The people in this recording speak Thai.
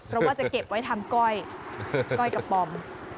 เราว่าจะเก็บไว้ทำก้อยกระป๋อม